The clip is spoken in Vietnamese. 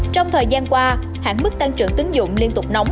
trong thời gian qua hãng mức tăng trưởng tín dụng liên tục nóng